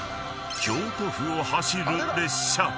［京都府を走る列車］